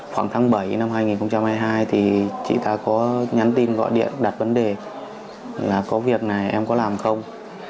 khoảng tháng bảy năm hai nghìn hai mươi hai thì chị ta có nhắn tin gọi điện đặt vấn đề là có việc này em có làm không